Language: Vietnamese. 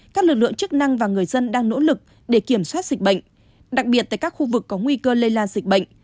các lực lượng chức năng và người dân đang nỗ lực để kiểm soát dịch bệnh đặc biệt tại các khu vực có nguy cơ lây lan dịch bệnh